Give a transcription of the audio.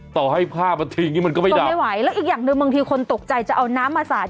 ต่อให้ผ้ามันทิ้งอย่างนี้มันก็ไม่ได้ไม่ไหวแล้วอีกอย่างหนึ่งบางทีคนตกใจจะเอาน้ำมาสาด